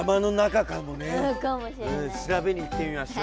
調べに行ってみましょう！